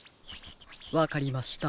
わかりました。